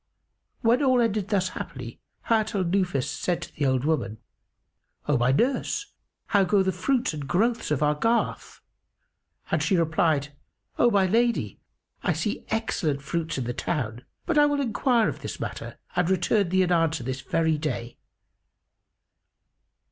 When all ended thus happily, Hayat al Nufus said to the old woman, "O my nurse, how go the fruits and growths of our garth?"; and she replied, "O my lady, I see excellent fruits in the town; but I will enquire of this matter and return thee an answer this very day."